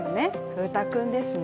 風太くんですね。